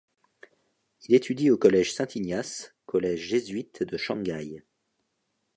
Il étudie au Collège Saint Ignace, collège Jésuite de Shanghai.